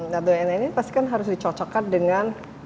nah dna ini pasti kan harus dicocokkan dengan